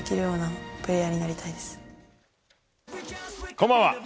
こんばんは。